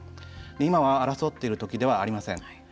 今は争っている時ではありません。